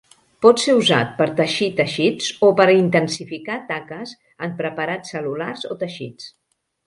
Pot ser usat per teixir teixits o per intensificar taques en preparats cel·lulars o teixits.